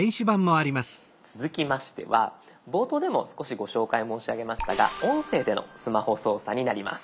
続きましては冒頭でも少しご紹介申し上げましたが音声でのスマホ操作になります。